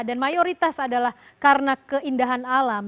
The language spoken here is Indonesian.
dan mayoritas adalah karena keindahan alam